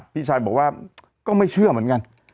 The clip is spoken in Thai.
พี่ชายบอกว่าก็ไม่เชื่อเหมือนกัน